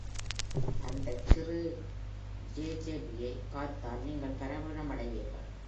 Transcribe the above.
அந்தச் சிறு ஜெசேபியைப் பார்த்தல் நீங்கள் பலவீனமடைவீர்கள்.